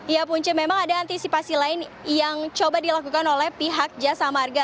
ya punca memang ada antisipasi lain yang coba dilakukan oleh pihak jasa marga